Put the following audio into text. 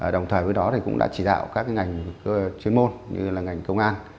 đồng thời với đó thì cũng đã chỉ đạo các ngành chuyên môn như là ngành công an